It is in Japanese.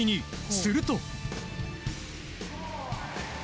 すると。